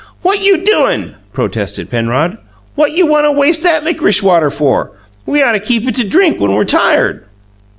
"What you doin'?" protested Penrod. "What you want to waste that lickrish water for? We ought to keep it to drink when we're tired."